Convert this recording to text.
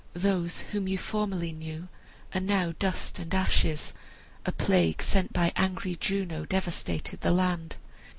Those whom you formerly knew are now dust and ashes! A plague sent by angry Juno devastated the land.